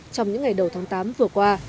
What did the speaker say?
trong những ngày đầu tháng tám vừa qua